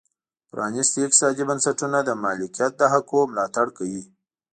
پرانیستي اقتصادي بنسټونه د مالکیت د حقونو ملاتړ کوي.